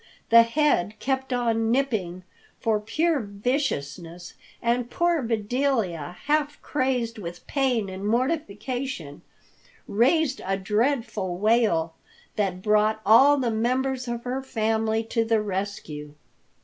The head kept on nipping for pure viciousness, and poor Bedelia, half crazed with pain and mortification, raised a dreadful wail that brought all the members of her family to the rescue.